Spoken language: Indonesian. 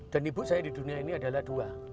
dan ibu saya di dunia ini adalah dua